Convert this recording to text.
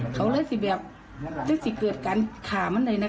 เอาไว้ที่แบบได้สิเกิดการข่ามันได้นะคะ